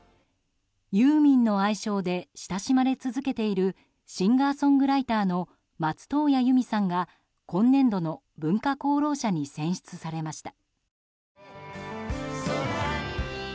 ユーミンの愛称で親しまれ続けているシンガーソングライターの松任谷由実さんが今年度の文化功労者に選出されました。